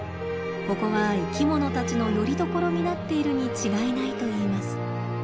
ここは生きものたちのよりどころになっているに違いないといいます。